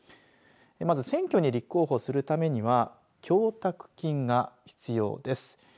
まず選挙に立候補するためには供託金が必要です。